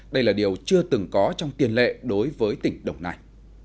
đây là điều chưa từng có trong tiền lệ đối với tỉnh đồng nai